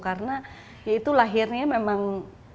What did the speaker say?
karena ya itu lahirnya memang